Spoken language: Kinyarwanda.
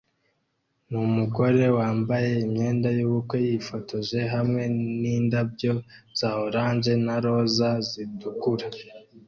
numugore wambaye imyenda yubukwe yifotoje hamwe nindabyo za orange na roza zitukura